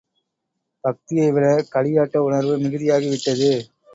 பக்தியைவிட, களியாட்ட உணர்வு மிகுதியாகி விட்டது!